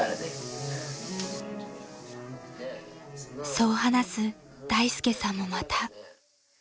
［そう話す大介さんもまた］